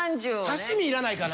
「刺身」いらないかな。